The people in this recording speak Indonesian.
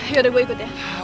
yaudah gue ikut ya